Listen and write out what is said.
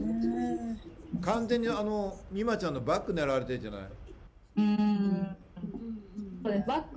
完全に美誠ちゃんのバックを狙われてるんじゃないの？